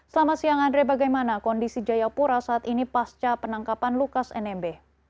selamat siang andre bagaimana kondisi jayapura saat ini pasca penangkapan lukas nmb